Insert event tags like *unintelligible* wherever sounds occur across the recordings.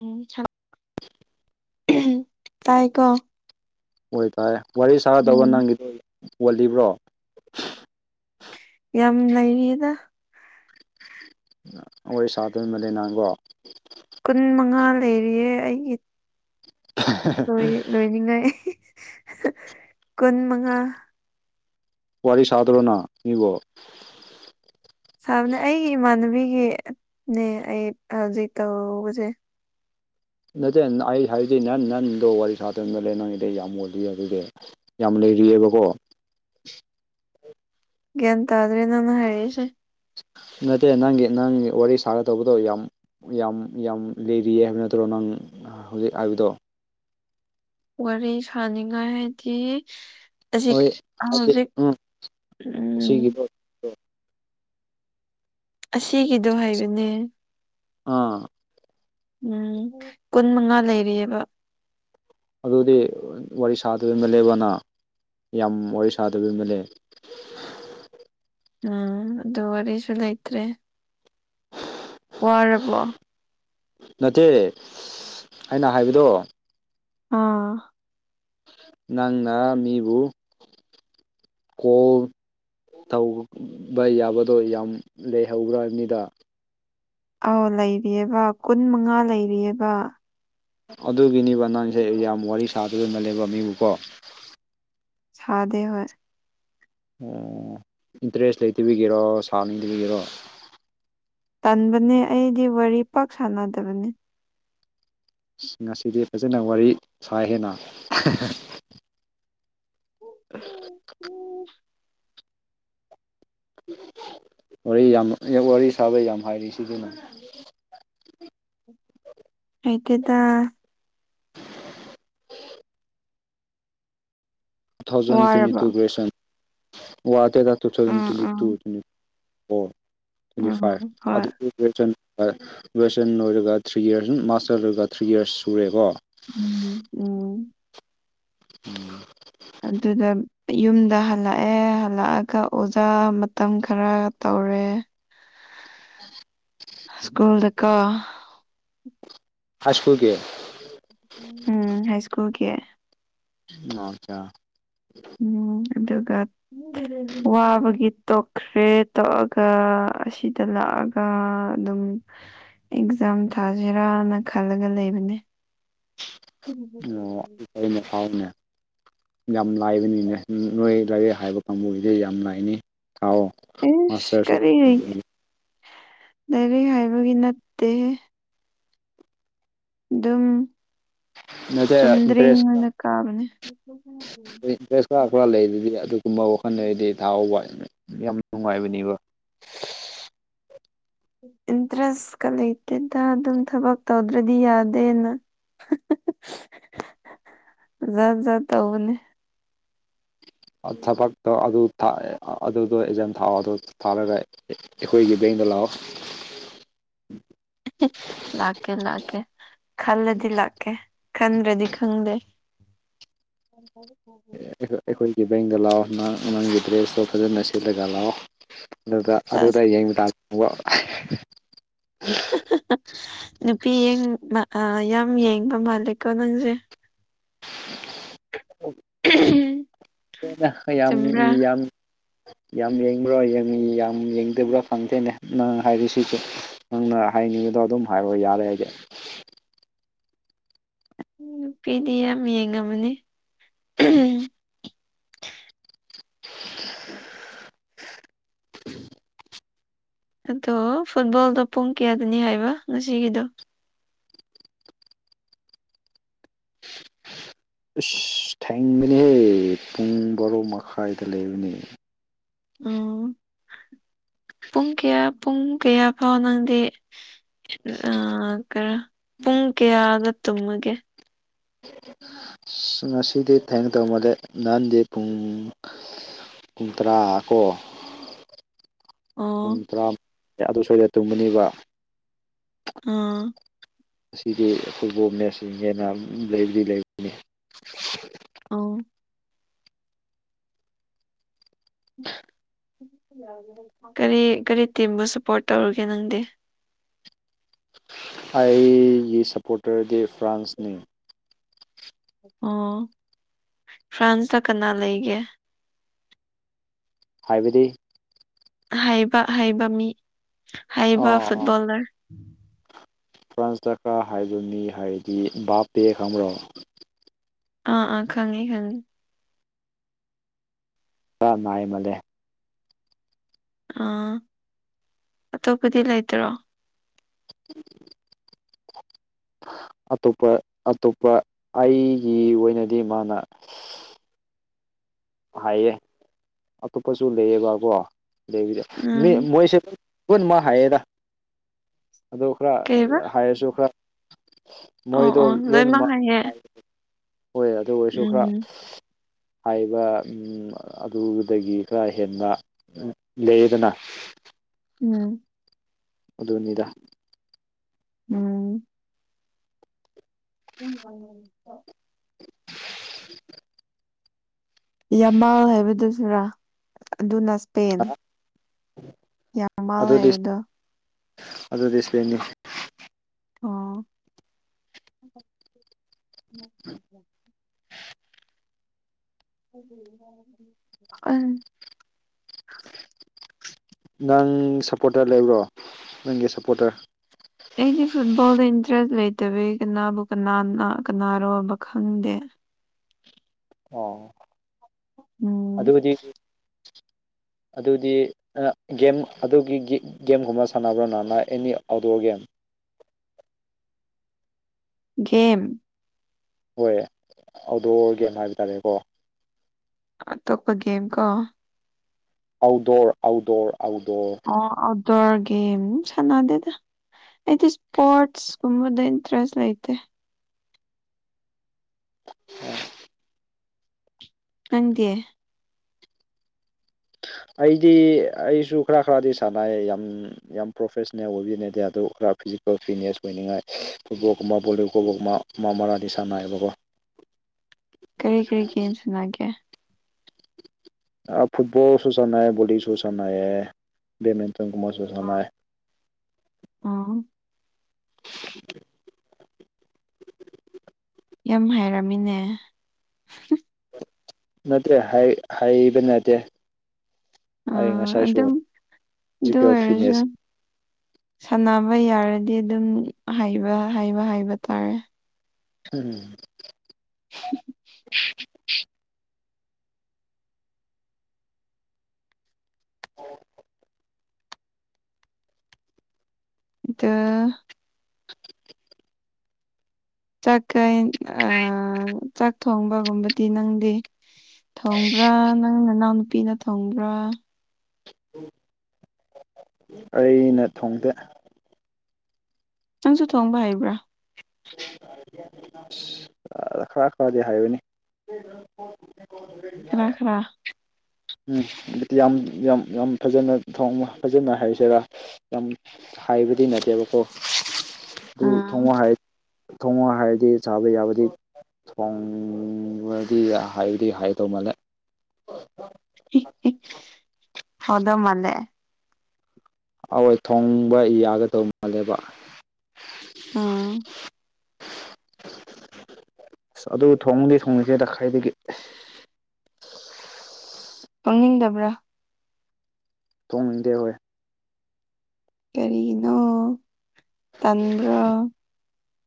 ꯎꯝ ꯇꯥꯏ ꯀꯣ ꯑꯣꯏꯇꯥꯔꯦ ꯋꯥꯔꯤ ꯁꯥꯗꯧꯕ ꯎꯝ ꯅꯪꯒꯤꯗꯣ ꯄꯣꯜꯂꯤꯕ꯭ꯔꯣ ꯌꯥꯝ ꯂꯩꯔꯤꯗ ꯋꯥꯕꯤ ꯁꯥꯗꯣꯏ ꯃꯜꯂꯦ ꯅꯪꯒꯣ ꯀꯨꯟ ꯃꯉꯥ ꯂꯩꯔꯤꯌꯦ ꯑꯩꯒꯤ ꯂꯣꯏꯗꯤ ꯂꯣꯏꯅꯤꯡꯉꯛꯑꯦ ꯀꯨꯟ ꯃꯉꯥ ꯋꯥꯔꯤ ꯁꯥꯗ꯭ꯔꯣꯅ ꯃꯤꯕꯣ ꯁꯥꯕꯅꯦ ꯑꯩꯒꯤ ꯏꯃꯥꯟꯅꯕꯤꯒꯤ ꯅꯦ ꯑꯩ ꯍꯧꯖꯤꯛ ꯇꯧꯕꯁꯦ ꯅꯠꯇꯦ ꯑꯩ ꯍꯥꯏꯗꯤ ꯅ ꯅꯟꯗꯣ ꯋꯥꯔꯤ ꯁꯥꯗꯅ ꯂꯩ ꯅꯪꯒꯤꯗ ꯑꯩ ꯌꯥꯝ ꯃꯣꯜꯂꯤ ꯑꯗꯨꯗꯤ ꯌꯥꯝ ꯂꯩꯔꯤꯌꯦꯕꯀꯣ ꯒ꯭ꯌꯥꯟ ꯇꯥꯗ꯭ꯔꯦ ꯅꯪꯅ ꯍꯥꯏꯔꯤꯁꯦ ꯅꯠꯇꯦ ꯅꯪꯒꯤ ꯅꯪꯒꯤ ꯋꯥꯔꯤ ꯁꯥꯒꯗꯩꯕꯗꯣ ꯌꯥꯝ ꯌꯥꯝ ꯌꯥꯝ ꯂꯩꯔꯤꯌꯦ ꯍꯥꯏꯕ ꯅꯠꯇ꯭ꯔꯣ ꯅꯪ ꯍꯧꯖꯤꯛ ꯍꯥꯏꯕꯗꯣ ꯋꯥꯔꯤ ꯁꯅꯤꯡꯉꯥꯏ ꯍꯥꯏꯗꯤ ꯑꯁꯤꯛ ꯍꯣꯏ ꯍꯥꯏꯗꯤ ꯍꯧꯖꯤꯛ ꯎꯝ ꯎꯝ ꯁꯤꯒꯤꯗꯣ ꯑꯁꯤꯒꯤꯗꯣ ꯍꯥꯏꯕꯅꯦ ꯑꯥ ꯎꯝ ꯀꯨꯟ ꯃꯉꯥ ꯂꯩꯔꯤꯌꯦꯕ ꯑꯗꯨꯗꯤ ꯋꯥꯔꯤ ꯁꯥꯗ ꯃꯜꯂꯦꯕ ꯅꯥ ꯌꯥꯝ ꯋꯥꯔꯤ ꯁꯥꯗꯕꯤ ꯃꯜꯂꯦ ꯎꯝ ꯑꯗꯨ ꯋꯥꯔꯤꯁꯨ ꯂꯩꯇ꯭ꯔꯦ ꯋꯥꯔꯕꯣ ꯅꯠꯇꯦ ꯑꯩꯅ ꯍꯥꯏꯕꯗꯣ ꯑꯥ ꯅꯪꯅ ꯃꯤꯕꯨ ꯀꯣꯜ ꯇꯧ ꯕ ꯌꯥꯕꯗꯣ ꯌꯥꯝ ꯂꯩꯍꯧꯕ꯭ꯔꯥ ꯍꯥꯏꯝꯅꯤꯗ ꯑꯧ ꯂꯩꯔꯤꯌꯦꯕ ꯀꯨꯟ ꯃꯉꯥ ꯂꯩꯔꯤꯌꯦꯕ ꯑꯗꯨꯒꯤꯅꯦꯕ ꯅꯪꯁꯦ ꯌꯥꯝ ꯋꯥꯔꯤ ꯁꯥꯗꯕ ꯃꯥꯜꯂꯦꯕ ꯃꯤꯕꯨꯀꯣ ꯁꯥꯗꯦ ꯍꯣꯏ ꯑꯣ ꯏꯟꯇ꯭ꯔꯦꯁ ꯂꯩꯇꯕꯤꯒꯤꯔꯣ ꯁꯥꯅꯤꯡꯗ꯭ꯔꯤꯒꯤꯔꯣ ꯇꯟꯕꯅꯦ ꯑꯩꯗꯤ ꯋꯥꯔꯤ ꯄꯥꯛ ꯁꯥꯟꯅꯗꯕꯅꯦ ꯑꯁ ꯉꯁꯤꯗꯤ ꯐꯖꯅ ꯋꯥꯔꯤ ꯁꯥꯏꯍꯦꯅꯥ *unintelligible* ꯎꯝ ꯋꯥꯔꯤ ꯌꯥꯝ ꯋꯥꯔꯤ ꯁꯥꯕ ꯌꯥꯝ ꯍꯩꯔꯤꯁꯤꯗꯤ ꯅꯪ ꯍꯩꯇꯦꯗꯥ ꯇꯨ ꯊꯥꯎꯖꯟ ꯋꯥꯔꯕꯣ ꯇ꯭ꯋꯦꯟꯇꯤꯇꯨ ꯒ꯭ꯔꯦꯖ꯭ꯋꯦꯁꯟ ꯋꯥꯗꯦꯗ ꯇꯨ ꯊꯥꯎꯖꯟ ꯎꯝ ꯎꯝ twenty two twenty four twenty five ꯎꯝ ꯑꯗꯨ ꯍꯣꯏ ꯒ꯭ꯔꯦꯖ꯭ꯋꯦꯁꯟ ꯂꯣꯏꯔꯦ ꯂꯣꯏꯁꯟ ꯂꯣꯏꯔꯒ ꯊ꯭ꯔꯤ ꯑꯤꯌꯔꯁ ꯑꯨꯝ ꯃꯥꯁꯇꯔ ꯂꯣꯏꯔꯒ ꯊ꯭ꯔꯤ ꯑꯤꯌꯔꯁ ꯁꯨꯔꯦꯀꯣ ꯎꯝ ꯎꯝ *inaudible* ꯑꯗꯨꯗ ꯌꯨꯝꯗ ꯍꯜꯂꯛꯑꯦ ꯍꯜꯂꯛꯑꯒ ꯑꯣꯖꯥ ꯃꯇꯝ ꯈꯔ ꯇꯧꯔꯦ *inaudible* *inaudible* ꯁ꯭ꯀꯨꯜꯗꯀꯣ ꯍꯥꯏꯁꯀꯨꯜꯒꯤ ꯎꯝ ꯍꯥꯏꯁꯀꯨꯜꯒꯤ *unintelligible* ꯎꯝ ꯑꯗꯨꯒ ꯋꯥꯕꯒꯤ ꯇꯣꯛꯈ꯭ꯔꯦ ꯇꯣꯛꯑꯒ ꯑꯁꯤꯗ ꯂꯥꯛꯑ ꯑꯥ ꯑꯗꯨꯝ ꯑꯦꯛꯖꯥꯝ ꯊꯥꯖꯤꯔꯥꯅ ꯈꯜꯂꯒ ꯂꯩꯕꯅꯦ ꯑꯣ ꯐꯩꯅꯦ ꯐꯥꯏꯅꯦ ꯌꯥꯝ ꯂꯥꯏꯕꯅꯤꯅꯦ ꯅꯣꯏ ꯂꯥꯏꯔꯤꯛ ꯍꯩꯕ ꯀꯥꯡꯕꯨꯒꯤꯗꯤ ꯌꯥꯝ ꯂꯥꯏꯅꯤ ꯊꯥꯎꯋꯣ ꯏꯁ ꯀꯔꯤ ꯂꯥꯏꯔꯤꯛ ꯍꯩꯕꯒꯤ ꯅꯠꯇꯦꯍꯦ ꯗꯨꯝ ꯅꯠꯇꯦ ꯆꯨꯝꯗ꯭ꯔꯤꯡ ꯏꯟꯇꯔꯦꯁ ꯑꯣꯏꯅ ꯀꯥꯕꯅꯦ ꯏꯟꯇꯔꯦꯁ ꯈꯔ ꯈꯔ ꯂꯩꯔꯗꯤ ꯑꯗꯨꯒꯨꯝꯕ ꯋꯥꯈꯟ ꯂꯩꯔꯗꯤ ꯊꯥꯍꯧꯕ ꯌꯥꯝ ꯅꯨꯡꯉꯥꯏꯕꯅꯤꯕ ꯏꯟꯇ꯭ꯔꯦꯁꯀ ꯂꯩꯇꯦꯗ ꯑꯗꯨꯝ ꯊꯕꯛ ꯇꯧꯗ꯭ꯔꯗꯤ ꯌꯥꯗꯦꯅ ꯖꯥꯠ ꯖꯥꯠ ꯇꯧꯕꯅꯦ ꯊꯕꯛꯇꯣ ꯑꯗꯨ *unintelligible* ꯑꯗꯨꯗꯣ ꯑꯦꯛꯖꯥꯝ ꯊꯥꯑꯣ ꯑꯗꯨ ꯊꯥꯔꯒ ꯑꯩꯈꯣꯏꯒꯤ ꯕꯦꯡꯗ ꯂꯥꯛꯑꯣ ꯂꯥꯛꯀꯦ ꯂꯥꯛꯀꯦ ꯈꯜꯂꯗꯤ ꯂꯥꯛꯀꯦ ꯈꯟꯗ꯭ꯔꯗꯤ ꯈꯪꯗꯦ ꯑꯦ ꯑꯩꯈꯣꯏ ꯑꯩꯈꯣꯏꯒꯤ ꯕꯦꯡꯗ ꯂꯥꯛꯑꯣ ꯅ ꯅꯪꯒꯤ ꯗ꯭ꯔꯦꯁꯇꯣ ꯐꯖꯅ ꯁꯦꯠꯂꯒ ꯂꯥꯛꯑꯣ ꯑꯗꯨꯗ ꯁꯥꯁ ꯑꯗꯨꯗ ꯌꯦꯡꯕ ꯇꯥꯕ ꯀꯣ ꯅꯨꯄꯤ ꯌꯦꯡ ꯑꯥ ꯌꯥꯝ ꯌꯦꯡꯕ ꯃꯥꯜꯂꯦꯀꯣ ꯅꯪꯁꯦ *unintelligible* ꯌꯥꯝ ꯆꯨꯝꯕ꯭ꯔꯥ ꯌꯥꯝ ꯌꯥꯝ ꯌꯦꯡꯕ꯭ꯔꯣ ꯌꯪ ꯌꯥꯝ ꯌꯦꯡꯗꯕ꯭ꯔꯥ ꯈꯪꯗꯦꯅꯦ ꯅꯪ ꯍꯥꯏꯔꯤꯁꯤꯁꯨ ꯅꯪꯅ ꯍꯥꯏꯅꯤꯡꯕꯗꯣ ꯑꯗꯨꯝ ꯍꯥꯏꯔꯣ ꯌꯥꯔꯦ ꯑꯩꯗꯤ ꯅꯨꯄꯤꯗꯤ ꯌꯥꯝ ꯌꯦꯡꯉꯝꯃꯅꯤ ꯑꯗꯣ ꯐꯨꯠꯕꯣꯜꯗꯣ ꯄꯨꯡ ꯀꯌꯥꯗꯅꯤ ꯍꯥꯏꯕ ꯉꯁꯤꯒꯤꯗꯣ ꯊꯦꯡꯕꯅꯦꯍꯦ ꯄꯨꯡ ꯕꯥꯔꯣ ꯃꯈꯥꯏꯗ ꯂꯩꯕꯅꯤ ꯎꯝ ꯄꯨꯡ ꯀꯌꯥ ꯄꯨꯡ ꯀꯌꯥꯐꯥꯎ ꯅꯪꯗꯤ ꯑꯥ *unintelligible* ꯄꯨꯡ ꯀꯌꯥꯗ ꯇꯨꯝꯃꯒꯦ ꯉꯁꯤꯗꯤ ꯊꯦꯡꯇꯧꯃꯥꯜꯂꯦ ꯅꯍꯥꯟꯗꯤ ꯄꯨꯡ ꯄꯨꯡ ꯇꯔꯥ ꯀꯣ ꯄꯨꯡ ꯑꯣ ꯇꯔꯥ ꯑꯗꯨ ꯁꯣꯏꯗ ꯇꯨꯝꯒꯅꯤꯕ ꯎꯝ ꯉꯁꯤꯗꯤ ꯐꯨꯠꯕꯣꯜ ꯃꯦꯠꯁ ꯍꯦꯟꯅ ꯂꯩꯕꯗꯤ ꯂꯩ ꯑꯧ ꯀꯔꯤ ꯀꯔꯤ ꯇꯤꯝꯕꯨ ꯁꯄꯣꯔꯠ ꯇꯧꯔꯨꯒꯦ ꯅꯪꯗꯤ ꯑꯩꯒꯤ ꯁꯞꯄꯣꯔꯇ꯭ꯔꯗꯤ ꯐ꯭ꯔꯥꯟꯁꯅꯤ ꯑꯣ ꯐ꯭ꯔꯥꯟꯁꯇ ꯀꯅꯥ ꯂꯩꯒꯦ ꯍꯥꯏꯕꯗꯤ ꯍꯩꯕ ꯍꯩꯕ ꯃꯤ ꯍꯩꯕ ꯑꯥ ꯐꯨꯠꯕꯣꯜꯂꯔ ꯐ꯭ꯔꯥꯟꯁꯇ ꯈꯔ ꯍꯩꯕ ꯃꯤ ꯍꯥꯏꯔꯗꯤ ꯏꯝꯕꯥꯞꯄꯦ ꯈꯪꯕ꯭ꯔꯣ ꯑꯥ ꯑꯥ ꯈꯪꯉꯤ ꯈꯪꯉꯤ ꯈꯔ ꯅꯥꯏꯃꯜꯂꯦ ꯑꯥ ꯑꯇꯣꯞꯄꯗꯤ ꯂꯩꯇ꯭ꯔꯣ *unintelligible* ꯑꯇꯣꯞꯄ ꯑꯇꯣꯞꯄ ꯑꯩꯒꯤ ꯑꯣꯏꯅꯗꯤ ꯃꯥꯅ ꯍꯥꯏꯌꯦ ꯑꯇꯣꯞꯄꯖꯨ ꯂꯩꯌꯦꯕꯀꯣ ꯂꯩꯕꯗꯤ ꯃꯤ ꯎꯝ ꯃꯣꯏꯁꯦ ꯄꯨꯟꯃꯥ ꯍꯥꯏꯌꯦꯗ ꯑꯗꯨ ꯈꯔ ꯀꯩꯕ ꯍꯩꯔꯁꯨ ꯈꯔ ꯑꯣ ꯃꯣꯏꯗꯣ ꯑꯣ ꯂꯣꯏꯃꯛ ꯂꯣꯏꯅꯃꯛ ꯍꯩꯌꯦ ꯍꯥꯏ ꯍꯣꯏ ꯑꯗꯨ ꯑꯣꯏꯔꯁꯨ ꯈꯔ ꯎꯝ ꯍꯥꯏꯕ ꯎꯞ ꯑꯥ ꯑꯗꯨꯗꯒꯤ ꯈꯔ ꯍꯦꯟꯕ ꯂꯩꯌꯦꯗꯅ ꯎꯝ ꯑꯗꯨꯅꯤꯗ ꯎꯝ *unintelligible* ꯌꯥꯃꯥꯜ ꯍꯥꯏꯕꯗꯨꯁꯨꯔꯥ ꯑꯗꯨꯅ ꯁ꯭ꯄꯦꯟ *inaudible* ꯌꯥꯝꯃꯥꯜ ꯑꯗꯨꯗꯤ ꯍꯥꯏꯕꯗꯣ ꯑꯗꯨꯗꯤ ꯁ꯭ꯄꯦꯟꯅꯤ ꯑꯣ *unintelligible* ꯅꯪ ꯁꯞꯄꯣꯔꯇꯔ ꯂꯩꯕ꯭ꯔꯣ ꯅꯪꯒꯤ ꯁꯞꯄꯣꯔꯇꯔ ꯑꯩꯗꯤ ꯐꯨꯠꯕꯣꯜꯗ ꯏꯟꯇ꯭ꯔꯦꯁ ꯂꯩꯇꯕꯒꯤ ꯀꯅꯥꯕꯨ ꯀꯅꯥꯅ ꯀꯅꯥꯔꯣꯕ ꯈꯪꯗꯦ ꯑꯣ ꯎꯝ ꯑꯗꯨꯗꯤ *inaudible* ꯑꯗꯨꯗꯤ ꯑ ꯒꯦꯝ ꯑꯗꯨꯒꯤ ꯒꯦ ꯒꯦꯝꯒꯨꯝꯕ ꯁꯥꯟꯅꯕ꯭ꯔꯣ ꯅꯅ ꯑꯦꯅꯤ ꯑꯥꯎꯠꯗꯣꯔ ꯒꯦꯝ ꯒꯦꯝ ꯍꯣꯏ ꯑꯥꯎꯠꯗꯣꯔ ꯒꯦꯝ ꯍꯥꯏꯕ ꯇꯥꯔꯦꯀꯣ ꯑꯇꯣꯞꯄ ꯒꯦꯝ ꯀꯣ ꯑꯥꯎꯠꯗꯣꯔ ꯑꯥꯎꯠꯗꯣꯔ ꯑꯥꯎꯠꯗꯣꯔ ꯑꯣ ꯑꯥꯎꯠꯗꯣꯔ ꯒꯦꯝ ꯁꯥꯅꯗꯦꯗ ꯑꯩꯗꯤ ꯁ꯭ꯄꯣꯔꯠꯁ ꯒꯨꯝꯕꯗ ꯏꯟꯇ꯭ꯔꯦꯁ ꯂꯩꯇꯦ *unintelligible* ꯅꯪꯗꯤ ꯑꯩꯗꯤ ꯑꯩꯁꯨ ꯈꯔ ꯈꯔꯗꯤ ꯁꯥꯟꯅꯩ ꯌꯥꯝ ꯌꯥꯝ ꯄ꯭ꯔꯣꯐꯦꯁꯅꯦꯜ ꯑꯣꯏꯕꯗꯤ ꯅꯠꯇꯦ ꯑꯗꯨ ꯈꯔ ꯐꯤꯖꯤꯀꯦꯜ ꯐꯤꯠꯅꯦꯁ ꯑꯣꯏꯅꯤꯡꯉꯥꯏ ꯐꯨꯠꯕꯣꯜꯒꯨꯝꯕ ꯕꯣꯂꯤꯒꯣꯜꯒꯨꯝꯕ ꯃꯥ ꯃꯔꯛꯗꯤ ꯁꯥꯟꯅꯩꯕꯒꯣ ꯀꯔꯤ ꯀꯔꯤ ꯒꯦꯝ ꯁꯥꯅꯒꯦ ꯑ ꯐꯨꯠꯕꯣꯜꯁꯨ ꯁꯥꯟꯅꯩꯌꯦ ꯚꯣꯂꯤꯁꯨ ꯁꯥꯟꯅꯩꯌꯦ ꯕꯦꯗꯃꯤꯟꯇꯟꯒꯨꯝꯕꯁꯨ ꯁꯥꯟꯅꯩ ꯑꯣ ꯌꯥꯝ ꯍꯥꯏꯔꯝꯃꯤꯅꯦ ꯅꯠꯇ꯭ꯔꯦ ꯍꯩ ꯍꯩꯕ ꯅꯠꯇꯦ ꯑ ꯑꯩ ꯉꯁꯥꯏꯁꯨ ꯑꯗꯨꯝ ꯑꯗꯨ ꯐꯤꯖꯤꯀꯦꯜ ꯑꯣꯏꯔꯖꯨ ꯐꯤꯠꯅꯦꯁ ꯁꯥꯟꯅꯕ ꯌꯥꯔꯗꯤ ꯑꯗꯨꯝ ꯍꯥꯏꯕ ꯍꯥꯏꯕ ꯍꯥꯏꯕ ꯇꯥꯔꯦ *unintelligible* ꯑꯗꯨ ꯆꯥꯛꯀꯩꯏꯟ ꯑ ꯆꯥꯛ ꯊꯣꯡꯕꯒꯨꯝꯕꯗꯤ ꯅꯪꯗꯤ ꯊꯣꯡꯕ꯭ꯔꯥ ꯅꯪ ꯅꯅꯥꯎꯅꯨꯄꯤꯅ ꯊꯣꯡꯕ꯭ꯔꯥ ꯑꯩꯅ ꯊꯣꯡꯗꯦ ꯅꯪꯁꯨ ꯊꯣꯡꯕ ꯍꯩꯕ꯭ꯔꯥ ꯁꯤ ꯑꯥ ꯈꯔ ꯈꯔꯗꯤ ꯍꯩꯕꯅꯦ *unintelligible* ꯈꯔ ꯈꯔ ꯎꯝ ꯌꯥꯝ ꯌꯥꯝ ꯌꯥꯝ ꯐꯖꯅ ꯊꯣꯡꯕ ꯐꯖꯅ ꯍꯩꯁꯤꯔ ꯌꯥꯝ ꯍꯥꯏꯕꯗꯤ ꯅꯠꯇꯦꯕꯀꯣ ꯑꯗꯨ ꯑꯥ ꯊꯣꯡꯉꯣ ꯍꯥꯏ ꯊꯣꯡꯉꯣ ꯍꯥꯏꯔꯗꯤ ꯆꯥꯕ ꯌꯥꯕꯗꯤ ꯊꯣꯡꯔꯗꯤ ꯍꯩꯗꯤ ꯍꯩꯗꯧ ꯃꯥꯜꯂꯦ ꯍꯦꯍꯦ ꯍꯥꯎꯗꯧ ꯃꯥꯜꯂꯦ ꯑꯋꯣꯏ ꯊꯣꯡꯕ ꯌꯥꯒꯗꯧ ꯃꯥꯜꯂꯦꯕ ꯑꯥ ꯑꯁ ꯑꯗꯨ ꯊꯣꯡꯕꯗꯤ ꯊꯣꯡꯗꯦꯗ ꯈꯥꯏꯗꯒꯤ ꯊꯣꯡꯅꯤꯡꯗꯕ꯭ꯔꯥ ꯊꯣꯡꯅꯤꯡꯗꯦ ꯍꯣꯏ ꯀꯔꯤꯅꯣ ꯇꯟꯕ꯭ꯔꯣ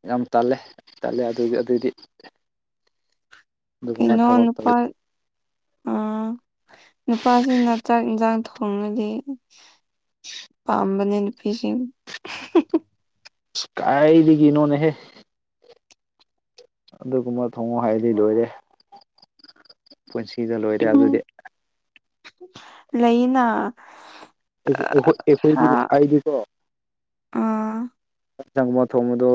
ꯌꯥꯝ ꯇꯜꯂꯦ ꯇꯜꯂꯦ ꯑꯗꯨ ꯑꯗꯨꯗꯤ ꯑꯗꯨꯒꯨꯝꯕ ꯀꯩꯅꯣ ꯊꯕꯛ ꯇꯧ ꯅꯨꯨꯄꯥ ꯑꯥ ꯅꯨꯄꯥꯖꯤꯡꯅ ꯆꯥꯛ ꯏꯟꯖꯥꯡ ꯊꯣꯡꯉꯗꯤ ꯄꯥꯝꯕꯅꯦ ꯅꯨꯄꯤꯖꯤꯡ ꯏꯁ ꯀꯥꯏꯗꯒꯤ ꯅꯣꯅꯦꯍꯦ ꯑꯗꯨꯒꯨꯝꯕ ꯊꯣꯡꯉꯣ ꯍꯥꯏꯔꯗꯤ ꯂꯣꯏꯔꯦ ꯄꯨꯟꯁꯤꯗ ꯂꯣꯏꯔꯦ ꯑꯗꯨꯗꯤ ꯂꯩꯌꯦꯅ ꯑꯦꯍꯣꯏ ꯑꯦꯈꯣꯏ ꯑꯩꯗꯤꯀꯣ ꯑꯥ *unintelligible* ꯒꯨꯝꯕ ꯊꯣꯡꯕꯗꯣ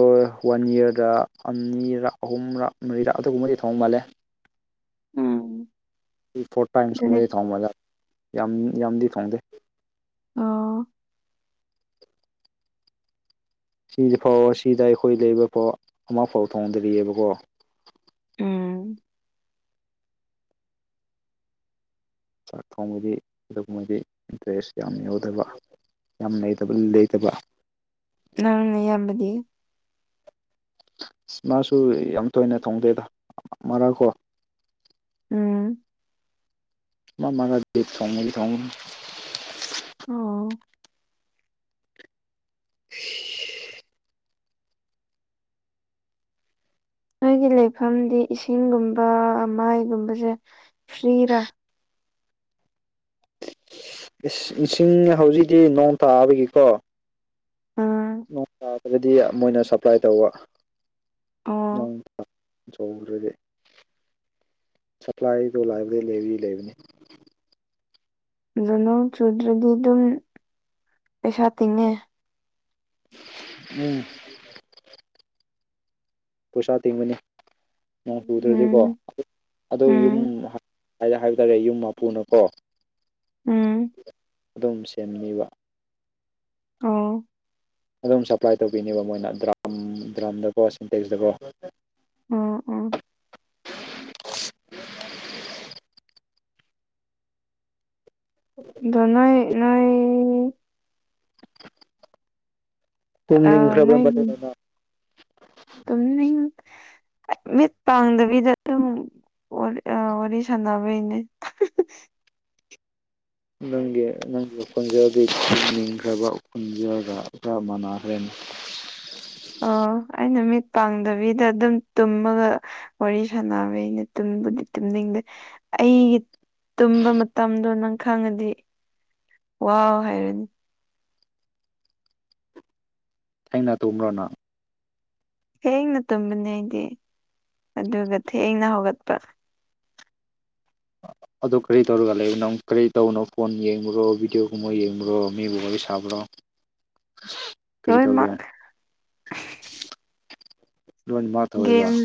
ꯋꯥꯟ ꯌꯔꯗ ꯑꯅꯤꯔꯛ ꯑꯍꯨꯝꯔꯛ ꯃꯔꯤꯔꯛ ꯑꯗꯨꯒꯨꯝꯕꯗꯤ ꯊꯣꯡꯕ ꯃꯥꯜꯂꯦ *inaudible* ꯎꯝ ꯇꯨ ꯐꯣꯔꯠ ꯑꯗꯨꯗꯤ ꯇꯥꯏꯝꯁꯀꯨꯝꯕꯗꯤ ꯊꯣꯡꯕꯗ ꯌꯥꯝ ꯌꯥꯝꯗꯤ ꯊꯣꯡꯗꯦ ꯑꯣ ꯁꯤꯗꯤ ꯐꯥꯎ ꯁꯤꯗ ꯑꯈꯣꯏ ꯂꯩꯕ ꯐꯥꯎ ꯑꯃꯐꯥꯎ ꯊꯣꯡꯗ꯭ꯔꯤꯕꯀꯣ ꯎꯝ ꯆꯥꯛ ꯊꯣꯡꯕꯗꯤ ꯑꯗꯨꯒꯨꯝꯕꯗꯤ ꯏꯟꯇꯔꯦꯁ ꯌꯥꯝ ꯌꯥꯎꯗꯕ ꯌꯥꯝ ꯂꯩꯇꯕ ꯂꯩꯇꯕ ꯅꯪ ꯅꯌꯥꯝꯕꯗꯤ ꯃꯥꯁꯨ ꯌꯥꯝ ꯇꯣꯏꯅ ꯊꯣꯡꯗꯦꯗ ꯃꯔꯥꯛ ꯀꯣ ꯎꯝ ꯃꯥ ꯃꯔꯛꯇꯤ ꯊꯣꯡꯕꯗꯤ ꯊꯣꯡꯕꯅꯤ ꯑꯣ *unintelligible* ꯅꯣꯏꯒꯤ ꯂꯩꯐꯝꯗꯤ ꯏꯁꯤꯡꯒꯨꯝꯕ ꯃꯥꯏꯒꯨꯝꯕꯁꯦ ꯐ꯭ꯔꯤꯔꯥ ꯏꯁꯤꯡ ꯍꯧꯖꯤꯛꯇꯤ ꯅꯣꯡ ꯇꯥꯕꯒꯤꯀꯣ ꯅꯣꯡ ꯇ ꯑꯗꯨꯗꯤ ꯃꯣꯏꯅ ꯁꯄ꯭ꯂꯥꯏ ꯇꯧꯕ ꯅꯣꯡ ꯑꯗꯣ ꯖꯧꯒ꯭ꯔꯗꯤ ꯁꯄ꯭ꯂꯥꯏꯗꯣ ꯂꯥꯏꯕ꯭ꯔꯗꯩ ꯂꯩ ꯂꯩꯕꯅꯤ ꯗꯣꯅꯣꯡ ꯆꯨꯗ꯭ꯔꯗꯤ ꯑꯗꯨꯝ ꯄꯩꯁꯥ ꯇꯤꯡꯉꯦ ꯎꯝ ꯄꯩꯁꯥ ꯇꯤꯡꯕꯅꯤ ꯅꯣꯡ ꯆꯨꯗ꯭ꯔꯗꯤꯀꯣ ꯎꯝ ꯑꯗꯨꯒꯤ ꯌꯨꯝ ꯎꯝ ꯍꯥꯏꯗ ꯍꯥꯏꯕ ꯇꯥꯔꯦ ꯌꯨꯝ ꯃꯄꯨꯅꯀꯣ ꯎꯝ ꯑꯗꯨꯝ ꯁꯦꯝꯅꯤꯕ ꯑꯥꯎ ꯑꯗꯨꯝ ꯁꯞꯄ꯭ꯂꯥꯏ ꯇꯧꯕꯤꯅꯦꯕ ꯃꯣꯏꯅ ꯗ꯭ꯔꯥꯝ ꯗ꯭ꯔꯥꯝꯗꯀꯣ ꯁꯤꯟꯇꯦꯛꯁꯇꯀꯣ ꯑꯣ ꯑꯣ ꯗꯨ ꯅꯣꯏ ꯅꯣꯏ ꯇꯨꯝꯅꯤꯡꯈ꯭ꯔꯕ ꯅꯣꯏꯒꯤ *unintelligible* ꯇꯨꯝꯅꯤꯡ ꯑ ꯃꯤꯠ ꯄꯥꯡꯗꯕꯤꯗ ꯑꯗꯨꯝ ꯋꯥꯔꯤ ꯑꯥ ꯋꯥꯔꯤ ꯁꯥꯟꯅꯕꯩꯅꯦ ꯑꯣ ꯅꯪꯒꯤ ꯅꯪꯒꯤ ꯈ‌ꯣꯟꯖꯦꯜꯗꯤ *unintelligible* ꯅꯤꯡꯈ꯭ꯔꯕ ꯈ‌ꯣꯟꯖꯦꯜꯗ ꯈꯥꯔ ꯃꯥꯅꯈ꯭ꯔꯦꯅꯦ ꯑꯣ ꯑꯩꯅ ꯃꯤꯠ ꯄꯥꯡꯗꯕꯤꯗ ꯑꯗꯨꯝ ꯇꯨꯝꯃꯒ ꯋꯥꯔꯤ ꯁꯥꯟꯅꯕꯩꯅꯦ ꯇꯨꯝꯕꯨꯗꯤ ꯇꯨꯝꯅꯤꯡꯗꯦ ꯑꯩꯒ ꯇꯨꯝꯕ ꯃꯇꯝꯗꯣ ꯅꯪ ꯈꯪꯉꯗꯤ ꯋꯥꯎ ꯍꯥꯏꯔꯅꯤ ꯊꯦꯡꯅ ꯇꯨꯝꯕ꯭ꯔꯣ ꯅꯪ ꯊꯦꯡꯅ ꯇꯨꯝꯕꯅꯦ ꯑꯩꯗꯤ ꯑꯗꯨꯒ ꯊꯦꯡꯅ ꯍꯧꯒꯠꯄ ꯑꯗꯨ ꯀꯔꯤ ꯇꯧꯔꯒ ꯂꯩꯕ ꯅꯪ ꯀꯔꯤ ꯇꯧꯕꯅꯣ ꯐꯣꯟ ꯌꯦꯡꯕꯔꯣ ꯚꯤꯗꯤꯑꯣꯒꯨꯝꯕ ꯌꯦꯡꯕꯔꯣ ꯃꯤꯕꯨ ꯋꯥꯔꯤ ꯁ ꯁꯥꯥꯕ꯭ꯔꯣ ꯀꯔꯤ ꯇꯧꯒꯦ ꯂꯣꯏꯅꯃꯛ ꯂꯣꯏꯅꯃꯛ ꯇꯧꯋꯦꯕ ꯒꯦꯝ